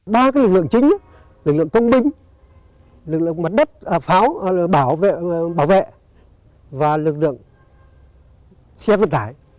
ba lực lượng chính lực lượng công binh lực lượng mặt đất pháo bảo vệ và lực lượng xe vận tải